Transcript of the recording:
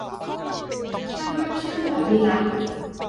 ช่างภาพชื่อ อภิลักษณ์